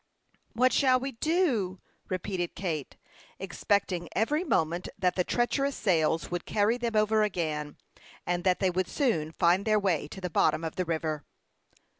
"What shall we do?" repeated Kate, expecting every moment that the treacherous sails would carry them over again, and that they would soon find their way to the bottom of the river.